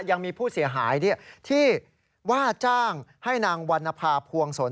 ยังมีผู้เสียหายที่ว่าจ้างให้นางวรรณภาพวงศล